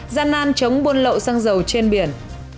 gian nan chống buôn lậu xăng dầu trên biển